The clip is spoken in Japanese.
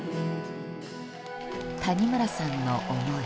谷村さんの思い。